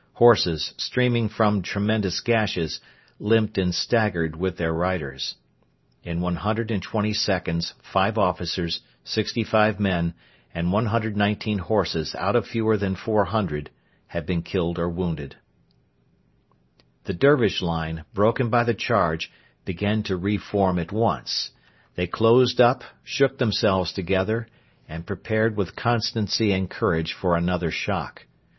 Horses, streaming from tremendous gashes, limped and staggered with their riders. In 120 seconds five officers, 65 men, and 119 horses out of fewer than 400 had been killed or wounded. The Dervish line, broken by the charge, began to re form at once. They closed up, shook themselves together, and prepared with constancy and courage for another shock.